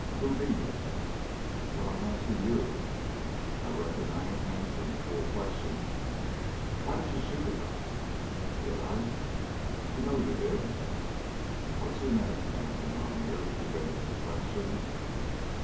"Who be you?" "That's what I am asking you." "I reckon I ain't answering fool questions." "Why did you shoot at us?" "Did I?" "You know you did." "What's your name?" asked the mountaineer, evading the question.